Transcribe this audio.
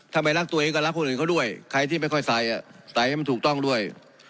ไม่รักตัวเองก็รักคนอื่นเขาด้วยใครที่ไม่ค่อยใส่ใส่ให้มันถูกต้องด้วย